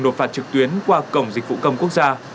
nộp phạt trực tuyến qua cổng dịch vụ công quốc gia